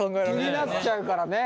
気になっちゃうからね。